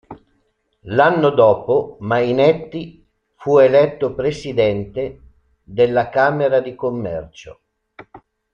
L'anno dopo Mainetti fu eletto presidente della Camera di Commercio.